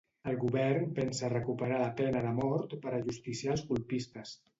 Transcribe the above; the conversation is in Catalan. El govern pensa a recuperar la pena de mort per ajusticiar els colpistes.